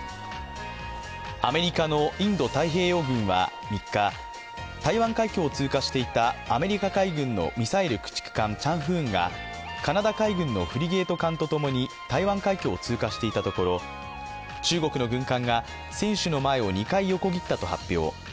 アメリカのインド太平洋軍は３日台湾海峡を通過していたアメリカ海軍のミサイル駆逐艦「チャンフーン」がカナダ海軍のフリゲート艦とともに台湾海峡を通過していたところ中国の軍艦が船首の前を２回横切ったと発表。